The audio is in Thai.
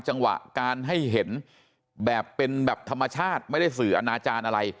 จังหวะการให้เห็นแบบเป็นแบบธรรมชาติไม่ได้สื่ออนาจารย์อะไร